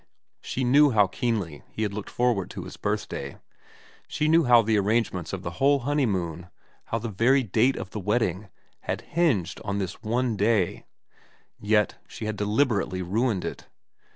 She knew how keenly he had looked forward to his birthday, she knew how the arrangements of the whole honeymoon, how the very date of the wedding, had hinged on this one day ; yet she had deliberately ruined it.